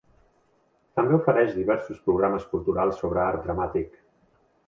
També ofereix diversos programes culturals sobre art dramàtic.